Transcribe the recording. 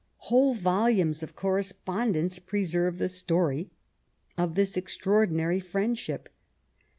Whole volumes of correspondence preserve the story of this extraordinary friendship.